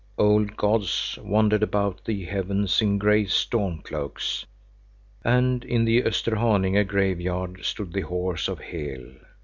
Old gods wandered about the heavens in gray storm cloaks, and in the Österhaninge graveyard stood the horse of Hel.